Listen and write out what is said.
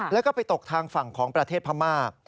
แล้วก็ไปตกทางฝั่งของประเทศพม่า